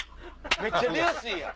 めっちゃ出やすいやん。